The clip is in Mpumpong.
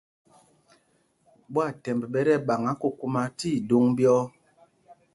Ɓwâthɛmb ɓɛ tí ɛɓaŋǎ kūkūmā tí idōŋ ɓyɔ̄ɔ̄.